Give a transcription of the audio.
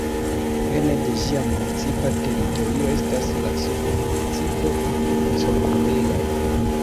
Ene de ĝia municipa teritorio estas la submunicipo Corumbela.